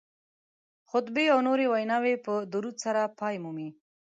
خطبې او نورې ویناوې په درود سره پای مومي